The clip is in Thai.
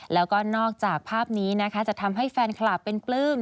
แล้วก็นอกจากภาพนี้นะคะจะทำให้แฟนคลับเป็นปลื้ม